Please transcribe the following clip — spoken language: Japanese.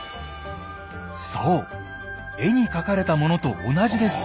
そう絵に描かれたものと同じです！